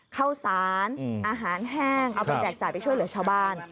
ข้าวสารอาหารแห้งเอาไปแจกจ่ายไปช่วยเหลือชาวบ้าน